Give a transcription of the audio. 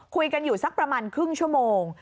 คุยกันอยู่สักประมาณครึ่งชั่วโมง